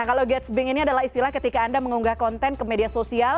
nah kalau gatsbing ini adalah istilah ketika anda mengunggah konten ke media sosial